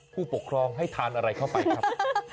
ผู้ปกครองให้ทานอะไรเข้าไปครับ